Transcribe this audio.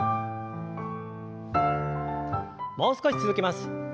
もう少し続けます。